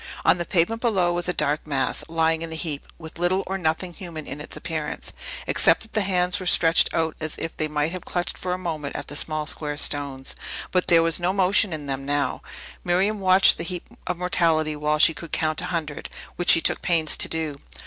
On the pavement below was a dark mass, lying in a heap, with little or nothing human in its appearance, except that the hands were stretched out, as if they might have clutched for a moment at the small square stones. But there was no motion in them now. Miriam watched the heap of mortality while she could count a hundred, which she took pains to do.